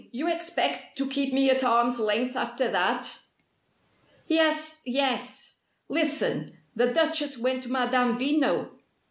You expect to keep me at arms' length after that?" "Yes yes! Listen. The Duchess went to Madame Veno."